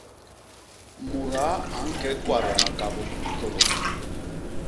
Mudaa a ñke kwade makabô i kôdôk.